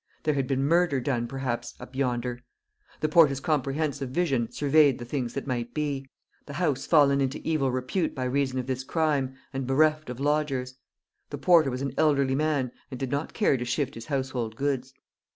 There had been murder done, perhaps, up yonder. The porter's comprehensive vision surveyed the things that might be the house fallen into evil repute by reason of this crime, and bereft of lodgers. The porter was an elderly man, and did not care to shift his household gods.